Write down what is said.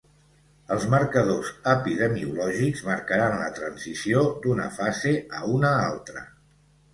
Els marcadors epidemiològics marcaran la transició d’una fase a una altra.